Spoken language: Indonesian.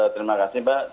terima kasih mbak